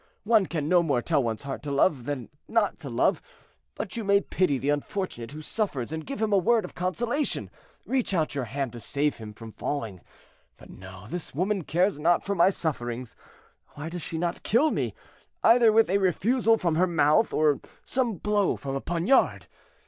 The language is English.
one can no more tell one's heart to love than not to love. But you may pity the unfortunate who suffers, and give him a word of consolation—reach out your hand to save him from falling; but no, this woman cares not for my sufferings. Why does she not kill me, either with a refusal from her mouth, or some blow from a poniard?